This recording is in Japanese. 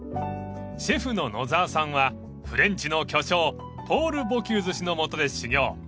［シェフの野澤さんはフレンチの巨匠ポール・ボキューズ氏のもとで修業］